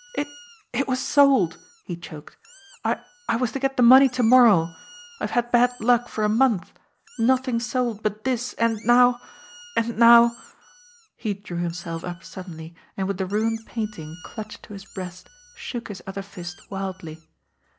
"It it was sold," he choked. "I I was to get the money to morrow. I have had bad luck for a month nothing sold but this and now and now " He drew himself up suddenly, and, with the ruined painting clutched to his breast, shook his other fist wildly.